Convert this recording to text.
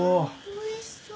おいしそう。